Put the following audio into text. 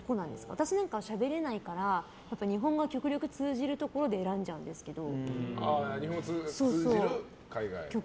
私なんかはしゃべれないからやっぱり日本語が極力通じるところで選んじゃうんですけど。